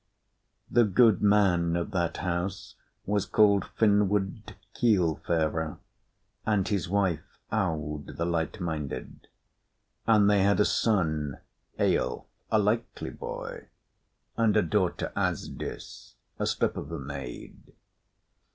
The goodman of that house was called Finnward Keelfarer, and his wife Aud the Light Minded; and they had a son Eyolf, a likely boy, and a daughter Asdis, a slip of a maid.